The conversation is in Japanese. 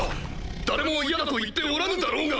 誰も嫌だと言っておらぬだろうが！